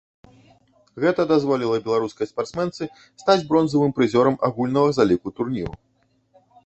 Гэта дазволіла беларускай спартсменцы стаць бронзавым прызёрам агульнага заліку турніру.